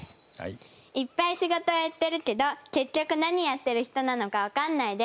いっぱい仕事をやってるけど結局何やってる人なのか分かんないです。